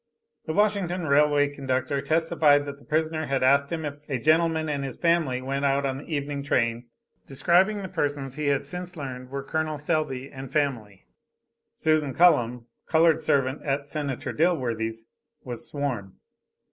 The Washington railway conductor testified that the prisoner had asked him if a gentleman and his family went out on the evening train, describing the persons he had since learned were Col. Selby and family. Susan Cullum, colored servant at Senator Dilworthy's, was sworn.